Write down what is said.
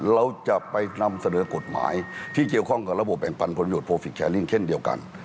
เราจะไปนำเสนอกฎหมายที่เกี่ยวข้องกับระบบแบ่งปันผลชนโปรฟิกแชร์ลิ่งเช่นเดียวกัน